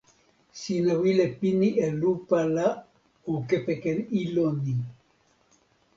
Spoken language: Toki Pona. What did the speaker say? sina wile pini e lupa la o kepeken ilo ni.